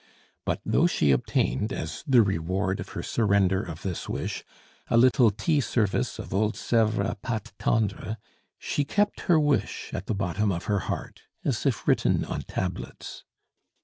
But though she obtained, as the reward of her surrender of this wish, a little tea service of old Sevres pate tendre, she kept her wish at the bottom of her heart, as if written on tablets.